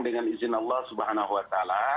dengan izin allah swt